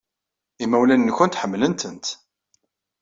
Imawlan-nwent ḥemmlen-tent.